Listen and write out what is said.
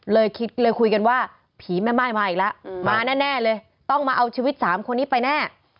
เลยคุยกันว่า